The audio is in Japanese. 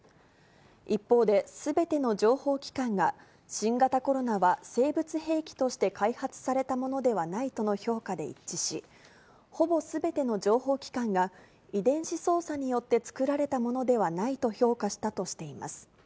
一方で、すべての情報機関が、新型コロナは生物兵器として開発されたものではないとの評価で一致し、ほぼすべての情報機関が、遺伝子操作によって作られたものではないと評価したとしています。